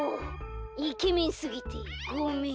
イケメンすぎてごめん。